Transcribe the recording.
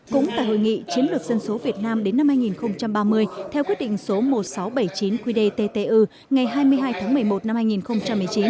cũng tại hội nghị chiến lược dân số việt nam đến năm hai nghìn ba mươi theo quyết định số một nghìn sáu trăm bảy mươi chín qdttu ngày hai mươi hai tháng một mươi một năm hai nghìn một mươi chín